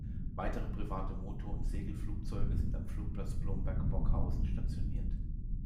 Weitere private Motor- und Segelflugzeuge sind am Flugplatz Blomberg-Borkhausen stationiert.